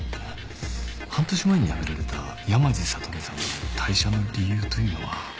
半年前に辞められた山路さとみさんの退社の理由というのは？